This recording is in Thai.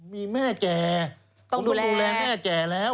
มีแม่แก่คุณต้องดูแลแม่แก่แล้ว